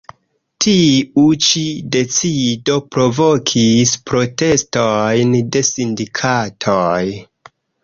Tiu ĉi decido provokis protestojn de sindikatoj.